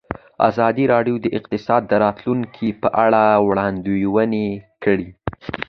ازادي راډیو د اقتصاد د راتلونکې په اړه وړاندوینې کړې.